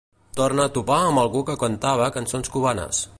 Torna a topar amb algú que cantava cançons cubanes.